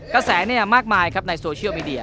กระแสมากมายครับในโซเชียลมีเดีย